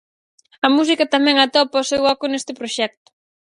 A música tamén atopa o seu oco neste proxecto.